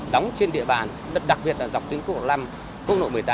đóng trên địa bàn đặc biệt là dọc tuyến cốt lộ năm cốt lộ một mươi tám